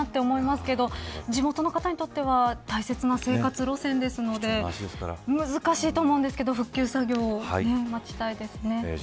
電車が走行中じゃなくてよかったと思いますけど地元の方にとっては大切な生活路線ですので難しいと思うんですけど復旧作業待ちたいですね。